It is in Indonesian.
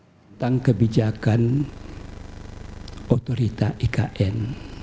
tentang kebijakan otorita ikn